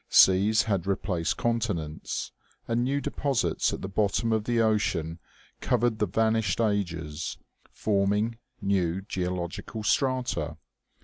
Seas had replaced continents, and new deposits at the bottom of the ocean covered the vanished ages, forming new geological strata.